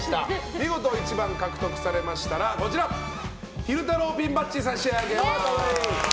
見事１番を獲得されましたら昼太郎ピンバッジを差し上げます。